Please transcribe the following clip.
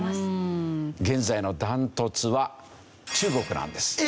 現在のダントツは中国なんです。